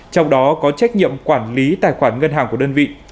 trong đó có trách nhiệm quản lý tài khoản ngân hàng của đơn vị